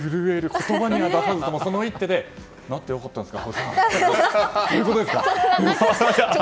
言葉には出さずともその一手で成ってよかったんですか？